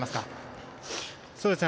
そうですね。